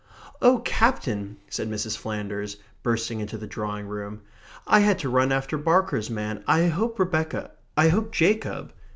"Oh, Captain," said Mrs. Flanders, bursting into the drawing room, "I had to run after Barker's man... I hope Rebecca... I hope Jacob..."